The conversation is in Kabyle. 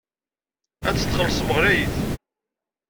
Ad tt-txellṣem ɣlayet.